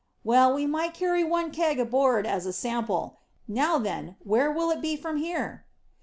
"Well, we might carry one keg aboard, as a sample. Now then, where will it be from here?"